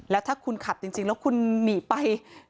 แล้วถ้าคุณขับจริงแล้วคุณหนีไป